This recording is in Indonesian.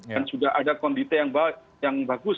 dan sudah ada kondite yang bagus